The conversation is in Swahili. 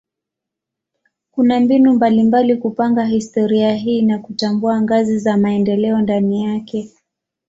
Kuna mbinu mbalimbali kupanga historia hii na kutambua ngazi za maendeleo ndani yake.